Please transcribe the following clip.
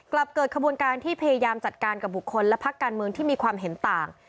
กลับเกิดขบวนการที่พยายามจัดการกับบุคคลและพักการเมืองที่มีความเห็นต่าง